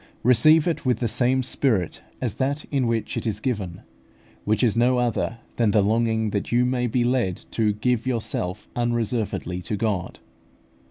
Receive it with the same spirit as that in which it is given, which is no other than the longing that you may be led to give yourself unreservedly to God.